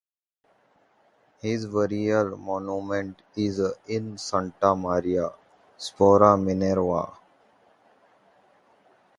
His burial monument is in Santa Maria Sopra Minerva.